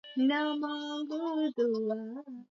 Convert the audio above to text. kuieneza kwa wengine Kati ya wakazi